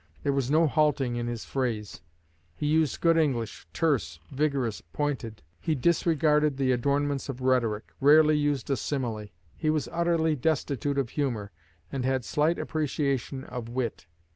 There was no halting in his phrase. He used good English, terse, vigorous, pointed. He disregarded the adornments of rhetoric rarely used a simile. He was utterly destitute of humor, and had slight appreciation of wit.